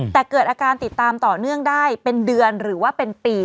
แต่เกิดอาการติดตามต่อเนื่องได้เป็นเดือนหรือว่าเป็นปี